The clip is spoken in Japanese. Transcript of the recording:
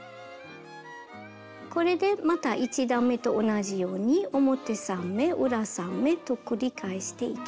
これでまた１段めと同じように表３目裏３目と繰り返していきます。